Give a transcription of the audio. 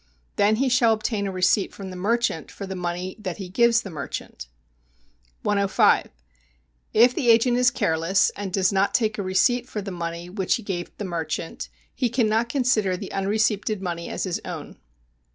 Then he shall obtain a receipt from the merchant for the money that he gives the merchant. 105. If the agent is careless, and does not take a receipt for the money which he gave the merchant, he cannot consider the unreceipted money as his own.